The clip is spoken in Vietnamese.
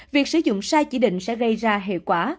việc sử dụng sai chỉ định sẽ gây ra hệ quả